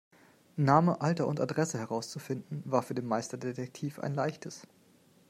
Name, Alter und Adresse herauszufinden, war für den Meisterdetektiv ein Leichtes.